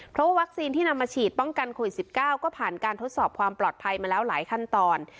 เพราะวัคซีนที่นำมาฉีดป้องกันโควิด๑๙ก็ผ่านการทดสอบความปลอดภัยมาแล้วหลายขั้นตอน